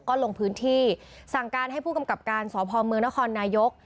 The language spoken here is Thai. ก็ลงพื้นที่สั่งการให้ผู้กำกับการสพเมืองนครนายก